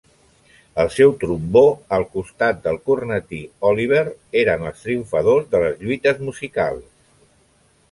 El seu trombó, al costat del cornetí Oliver, eren els triomfadors de les lluites musicals.